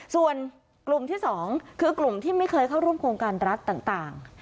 ส่วนกลุ่มที่๒คือกลุ่มที่ไม่เคยเข้าร่วมโครงการรัฐต่าง